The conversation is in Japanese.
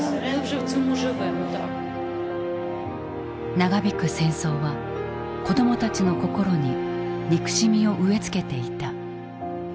長引く戦争は子どもたちの心に憎しみを植え付けていた。